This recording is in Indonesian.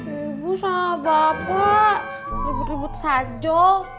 ibu sama bapak ribut ribut saja